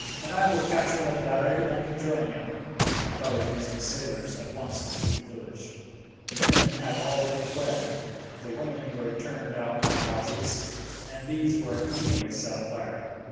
I will capture that battery and then join you." Fothergill and his sailors at once entered the village. The men had already fled; the women were turned out of the houses, and these were immediately set on fire.